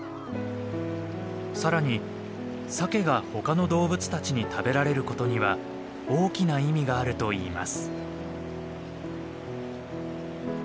さらにサケが他の動物たちに食べられることには大きな意味があるといいます。